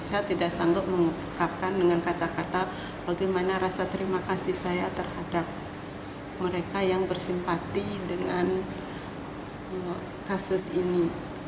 saya tidak sanggup mengungkapkan dengan kata kata bagaimana rasa terima kasih saya terhadap mereka yang bersimpati dengan kasus ini